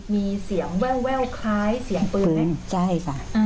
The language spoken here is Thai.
มีเสียงแววคล้ายเสียงปืนใช่ค่ะ